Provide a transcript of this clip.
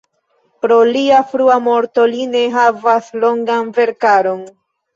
Pro lia frua morto li ne havas longan verkaron.